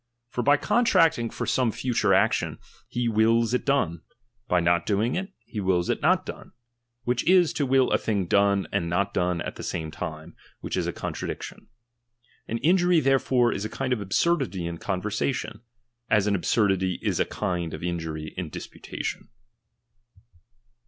For by contracting for some future action, he wills it done ; by not doing it, he wills it not done : which is to will a thing done and not done at the same time, which is a contradiction. An injury there fore is a kind of absurdity in conversation, as an absurdity is a kind of injury in disputation.